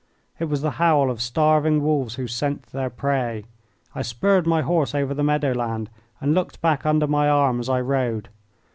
It was the howl of starving wolves who scent their prey. I spurred my horse over the meadow land and looked back under my arm as I rode.